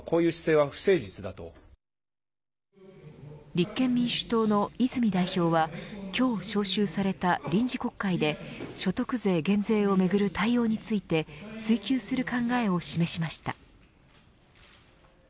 立憲民主党の泉代表は今日召集された臨時国会で所得税減税をめぐる対応について追及する考えを示しました。